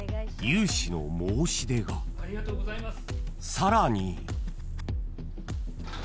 ［さらに］